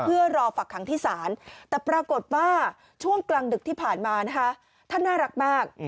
เพื่อรอฝักขังที่ศาลแต่ปรากฏว่าช่วงกลางดึกที่ผ่านมานะคะท่านน่ารักมาก